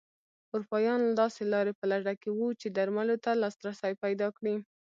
اروپایان داسې لارې په لټه کې وو چې درملو ته لاسرسی پیدا کړي.